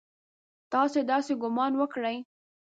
تاسې داسې ګومان وکړئ!